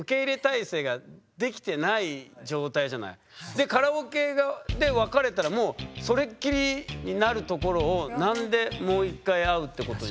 でカラオケで別れたらもうそれっきりになるところを何でもう一回会うってことになった？